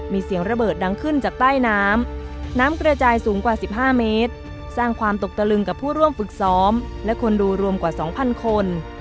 มีเสียงระเบิดดังขึ้นจากใต้น้ำน้ำกระจายสูงกว่า๑๕เมตรสร้างความตกตะลึงกับผู้ร่วมฝึกซ้อมและคนดูรวมกว่า๒๐๐คน